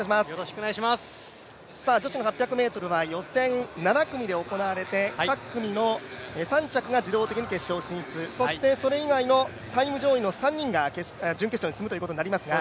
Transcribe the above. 女子の８００ｍは予選７組で行われて、各組の３着が自動的に決勝に進出そしてそれ以外のタイム上位の３人が準決勝に進むということになります。